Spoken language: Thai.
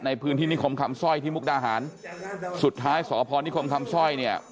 ในพื้นที่นิคมคำสร้อยที่มุกดาหารสุดท้ายสพนิคมคำสร้อยเนี่ย